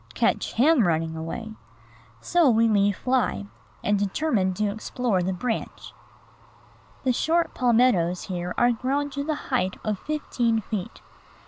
Catch him running away! So we leave Fly, and determine to explore the branch. The short palmettoes here are grown to the height of fifteen feet.